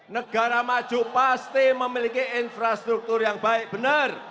negara maju pasti memiliki infrastruktur yang baik benar